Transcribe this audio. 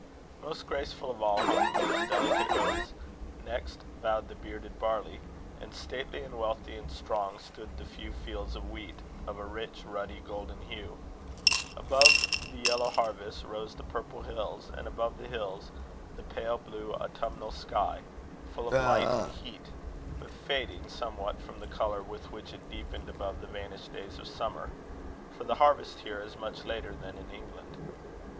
Most graceful of all hung those delicate oats; next bowed the bearded barley; and stately and wealthy and strong stood the few fields of wheat, of a rich, ruddy, golden hue. Above the yellow harvest rose the purple hills, and above the hills the pale blue autumnal sky, full of light and heat, but fading somewhat from the colour with which it deepened above the vanished days of summer. For the harvest here is much later than in England.